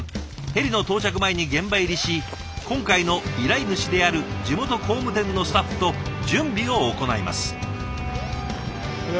ヘリの到着前に現場入りし今回の依頼主である地元工務店のスタッフと準備を行います。